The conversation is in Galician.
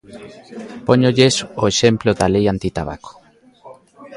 Póñolles o exemplo da lei antitabaco.